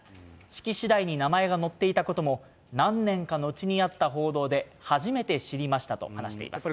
式次第に名前が載っていたことも、何年か後にあった報道で初めて知りましたと話しています。